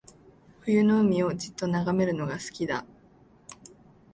冬の海をじっと眺めるのが好きだ